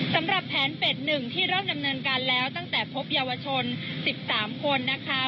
สำหรับแผนเฟส๑ที่เริ่มดำเนินการแล้วตั้งแต่พบเยาวชน๑๓คนนะคะ